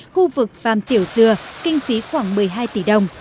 khu vực phạm tiểu dừa kinh phí khoảng một mươi hai tỷ đồng